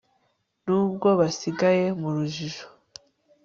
nubwo basigaye mu rujijo